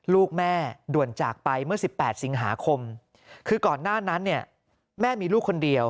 ลูกแม่ด่วนจากไปเมื่อ๑๘สิงหาคมคือก่อนหน้านั้นเนี่ยแม่มีลูกคนเดียว